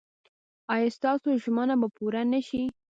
ایا ستاسو ژمنه به پوره نه شي؟